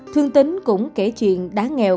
thương tính cũng kể chuyện đáng nghèo